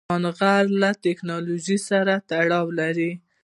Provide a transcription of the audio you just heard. سلیمان غر له تکنالوژۍ سره تړاو لري.